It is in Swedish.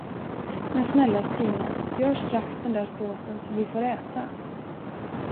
Men snälla Stina, gör strax den där såsen, så vi får äta.